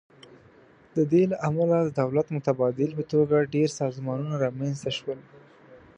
د دې له امله د دولت متبادل په توګه ډیر سازمانونه رامینځ ته شوي.